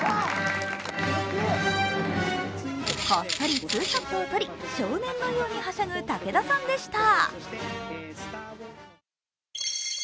こっそりツーショットを撮り、少年のようにはしゃぐ武田さんでした。